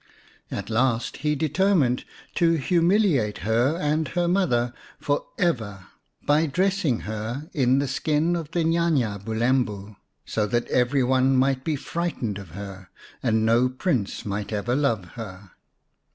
At last he determined to humiliate her and her mother for ever by dressing her in the skin of the Nya nya Bulembu, so that every one might be frightened of her and no Prince might ever love her.